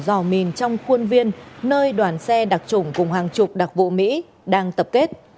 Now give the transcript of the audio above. dò mìn trong khuôn viên nơi đoàn xe đặc trủng cùng hàng chục đặc vụ mỹ đang tập kết